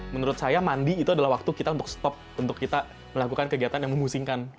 menurut saya mandi itu adalah waktu kita untuk stop untuk kita melakukan kegiatan yang memusingkan